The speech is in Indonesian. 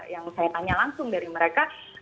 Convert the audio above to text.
yang saya tanya langsung dari mereka